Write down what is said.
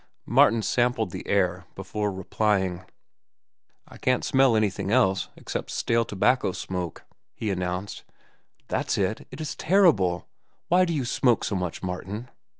Martin sampled the air before replying. "I can't smell anything else, except stale tobacco smoke," he announced. "That's it. It is terrible. Why do you smoke so much, Martin?"